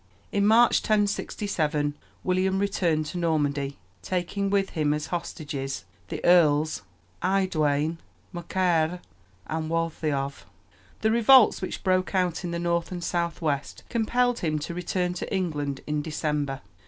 In March, 1067, William returned to Normandy, taking with him as hostages the Earls Eadwine, Morkere, and Waltheof. The revolts which broke out in the north and southwest compelled him to return to England in December.